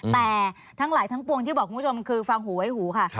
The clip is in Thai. แต่ทั้งหลายทั้งปวงที่บอกคุณผู้ชมคือฟังหูไว้หูค่ะ